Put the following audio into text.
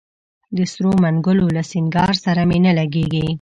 د سرو منګولو له سینګار سره مي نه لګیږي